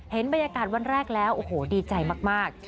เห็นบรรยากาศวันแรกแล้วโอ้โหดีใจมาก